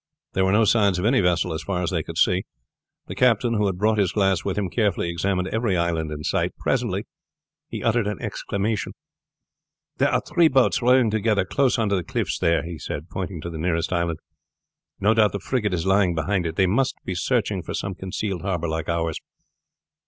There were no signs of any vessel as far as they could see. The captain, who had brought his glass with him, carefully examined every island in sight. Presently he uttered an exclamation: "There are three boats rowing together close under the cliffs there," he said, pointing to the nearest island. "No doubt the frigate is lying behind it. They must be searching for some concealed harbor like ours.